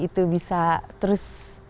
itu bisa terus